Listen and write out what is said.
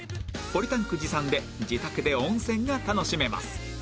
ポリタンク持参で自宅で温泉が楽しめます